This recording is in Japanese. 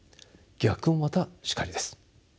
逆もまたしかりです。